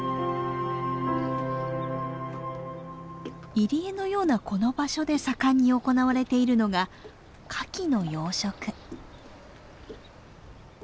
入り江のようなこの場所で盛んに行われているのが牡蠣の養殖。